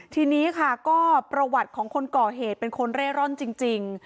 ทีนี้ค่ะก็ประวัติของคนก่อเหตุเป็นคนเร่ร่อนจริง